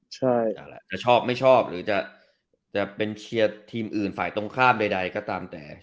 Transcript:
ใช่นั่นแหละจะชอบไม่ชอบหรือจะเป็นเชียร์ทีมอื่นฝ่ายตรงข้ามใดก็ตามแต่